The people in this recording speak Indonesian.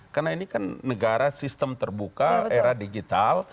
karena ini kan negara sistem terbuka era digital